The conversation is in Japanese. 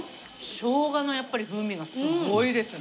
生姜のやっぱり風味がすごいですね。